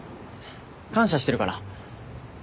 感謝してるから。